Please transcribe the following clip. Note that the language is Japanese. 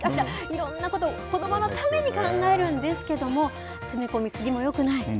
いろんなこと、子どものために考えるんですけれども、詰め込み過ぎもよくない。